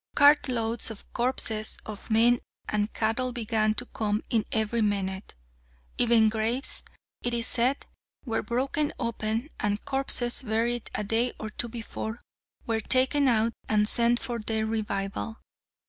Cartloads of corpses of men and cattle began to come in every minute. Even graves, it is said, were broken open, and corpses buried a day or two before were taken out and sent for their revival.